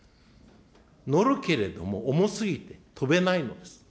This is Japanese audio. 載るけれども、重すぎて飛べないのです。